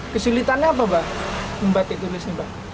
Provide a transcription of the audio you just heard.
kesulitannya apa mbah membatik tulisnya mbah